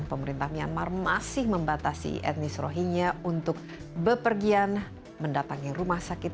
pemerintah myanmar masih membatasi etnis rohingya untuk bepergian mendatangi rumah sakit